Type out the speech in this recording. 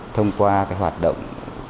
thông qua hoạt động